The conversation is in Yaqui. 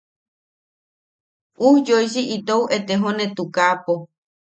Ujyoisi itou etejone tukaapo.